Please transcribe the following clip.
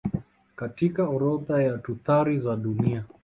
katika orodha ya tuthari za dunia